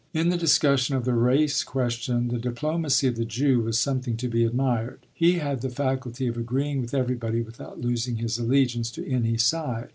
In the discussion of the race question the diplomacy of the Jew was something to be admired; he had the faculty of agreeing with everybody without losing his allegiance to any side.